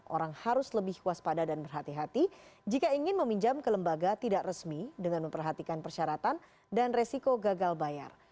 orang harus lebih waspada dan berhati hati jika ingin meminjam ke lembaga tidak resmi dengan memperhatikan persyaratan dan resiko gagal bayar